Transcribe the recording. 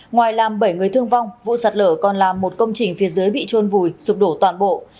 ngoài làm bảy người thương vong vụ sạt lở còn làm một công trình phía dưới bị trôn vùi sụp đổ toàn bộ